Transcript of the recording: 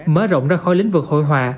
mới rộng ra khỏi lĩnh vực hội hòa